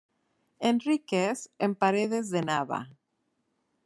Enríquez, en Paredes de Nava.